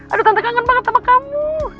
aduh tanda kangen banget sama kamu